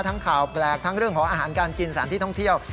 ข่าวแปลกทั้งเรื่องของอาหารการกินสถานที่ท่องเที่ยว